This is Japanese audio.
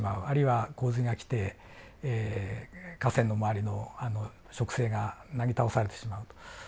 あるいは洪水が来て河川の周りの植生がなぎ倒されてしまうと。